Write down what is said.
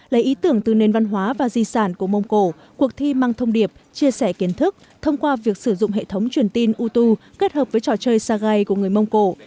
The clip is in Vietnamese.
lấy ý tưởng từ nền văn hóa và di sản của mông cổ cuộc thi mang thông điệp chia sẻ kiến thức thông qua việc sử dụng hệ thống truyền tin utu kết hợp với trò chơi xay của người mông cổ